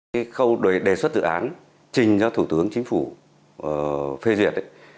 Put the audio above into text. cái khâu đề xuất dự án trình cho thủ tướng chính phủ phê duyệt